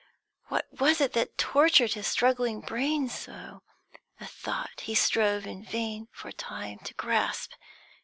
What was it that tortured his struggling brain so? A thought he strove in vain for a time to grasp.